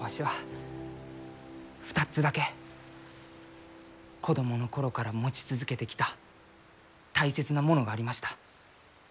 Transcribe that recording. わしは２つだけ子供の頃から持ち続けてきた大切なものがありました。